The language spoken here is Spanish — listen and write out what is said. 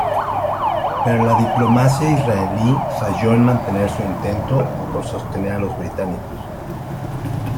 Pero la diplomacia israelí falló en mantener su intento por sostener a los británicos.